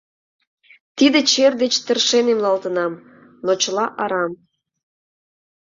Тиде «чер» деч тыршен эмлалтынам, но чыла арам.